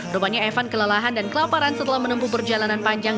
rupanya evan kelelahan dan kelaparan setelah menempuh perjalanan panjang